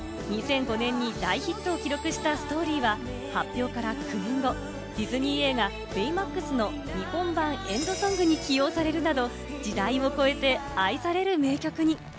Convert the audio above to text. ２００５年に大ヒットを記録した『Ｓｔｏｒｙ』は発表から９年後、ディズニー映画『ベイマックス』の日本版エンドソングに起用されるなど、時代を超えて愛される名曲に。